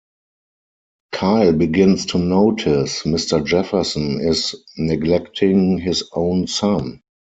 Kyle begins to notice Mr. Jefferson is neglecting his own son.